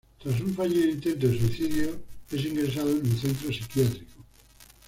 Tras un fallido intento de suicidio, es ingresado en un centro psiquiátrico.